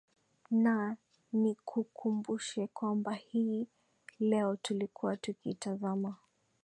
na nikukumbushe kwamba hii leo tulikuwa tukiitazama